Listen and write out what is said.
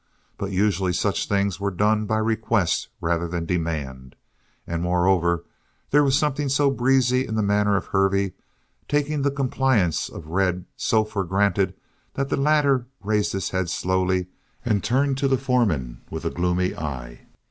But usually such things were done by request rather than demand, and moreover, there was something so breezy in the manner of Hervey, taking the compliance of Red so for granted, that the latter raised his head slowly and turned to the foreman with a gloomy eye.